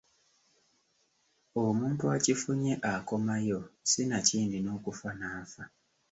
Omuntu akifunye akomayo sinakindi n’okufa n’afa!